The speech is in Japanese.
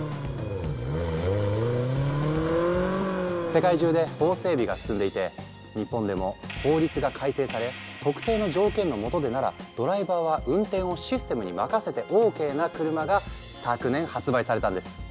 世界中で法整備が進んでいて日本でも法律が改正され特定の条件のもとでならドライバーは運転をシステムに任せてＯＫな車が昨年発売されたんです。